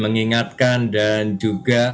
mengingatkan dan juga